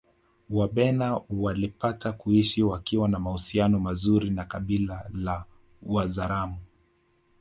Wabena walipata kuishi wakiwa na mahusiano mazuri na kabila la Wazaramo